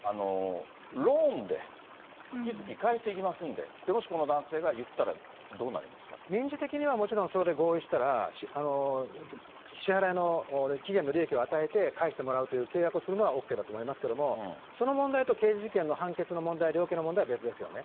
ローンで、月々返していきますんでってもしこの男性がいったら、どうなりま民事的にはもちろんそれで合意したら、支払いの期限の利益を与えて返してもらうという、契約をするのはＯＫだと思いますけれども、その問題と刑事事件の判決の問題、量刑の問題は別ですよね。